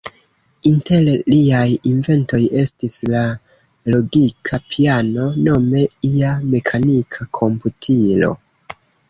Inter liaj inventoj estis la logika piano, nome ia mekanika komputilo.